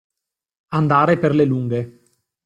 Andare per le lunghe.